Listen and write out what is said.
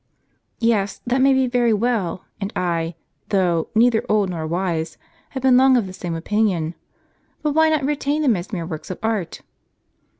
" Yes, that may be very well ; and I, though neither old nor wise, have been long of the same opinion. But why not retain them as mere works of art?